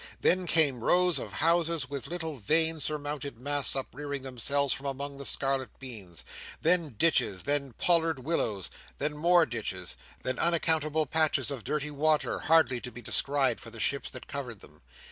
Then came rows of houses, with little vane surmounted masts uprearing themselves from among the scarlet beans. Then, ditches. Then, pollard willows. Then, more ditches. Then, unaccountable patches of dirty water, hardly to be descried, for the ships that covered them.